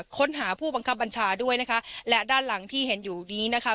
ค้นหาผู้บังคับบัญชาด้วยนะคะและด้านหลังที่เห็นอยู่นี้นะคะ